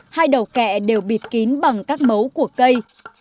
hai đầu kẹ đều bịt kín bằng các mấu của cây